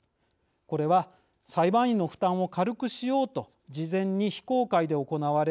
これは裁判員の負担を軽くしようと事前に非公開で行われる制度です。